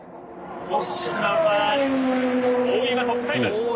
大嶋は大湯がトップタイム。